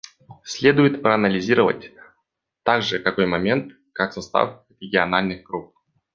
Следует проанализировать также такой момент, как состав региональных групп.